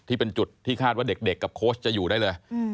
ที่เป็นจุดที่คาดว่าเด็กกับโค้ชจะอยู่ได้เลย